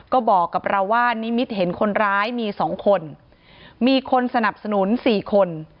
ก็บอกกับเราว่านิมิตเห็นคนร้ายมี๒คนมีคนสนับสนุนสี่คน